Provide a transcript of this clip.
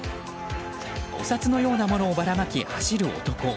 お札のようなものをばらまき走る男。